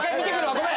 ごめん！